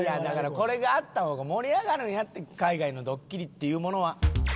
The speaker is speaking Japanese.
だからこれがあった方が盛り上がるんやって海外のドッキリっていうものは。